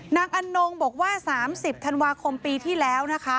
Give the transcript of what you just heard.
อันนงบอกว่า๓๐ธันวาคมปีที่แล้วนะคะ